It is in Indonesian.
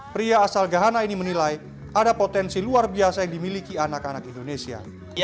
pria asal gahana ini menilai ada potensi luar biasa yang dimiliki anak anak indonesia